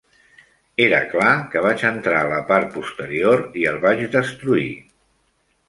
Era clar que vaig entrar a la part posterior i el vaig destruir.